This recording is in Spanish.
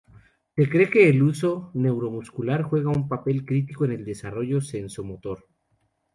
Se cree que el huso neuromuscular juega un papel crítico en el desarrollo senso-motor.